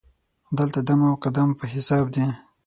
دلته دم او قدم په حساب دی.